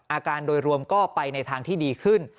อาการโดยรวมก็ไปในทางที่ดีขึ้น